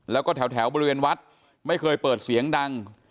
แล้วก็แถวบริเวณวัดไม่เคยเปิดเสียงดัง